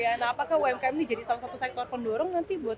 nah apakah umkm ini jadi salah satu sektor pendorong nanti buat